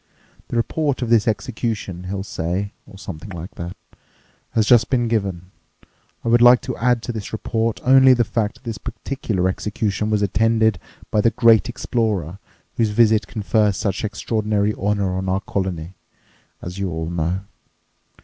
'The report of the execution,' he'll say, or something like that, 'has just been given. I would like to add to this report only the fact that this particular execution was attended by the great explorer whose visit confers such extraordinary honour on our colony, as you all know.